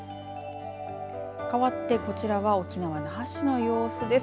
かわってこちらは沖縄の那覇市の様子です。